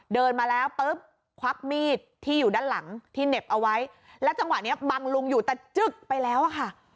เดินมาแล้วปุ๊บควักมีดที่อยู่ด้านหลังที่เหน็บเอาไว้แล้วจังหวะนี้บังลุงอยู่แต่จึ๊กไปแล้วอะค่ะ